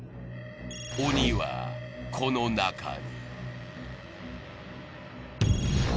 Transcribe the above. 鬼は、この中に。